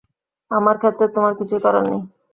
আমার ক্ষেত্রে, তোমার কিছুই করার নেই।